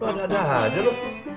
lu ada ada aja lu